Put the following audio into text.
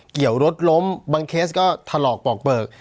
รถล้มบางเคสก็ถลอกปอกเปลือก